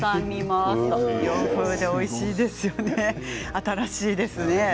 新しいですね。